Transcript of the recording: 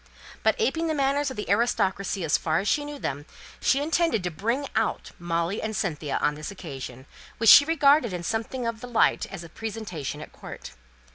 But, aping the manners of the aristocracy as far as she knew them, she intended to "bring out" Molly and Cynthia on this occasion, which she regarded in something of the light of a presentation at Court.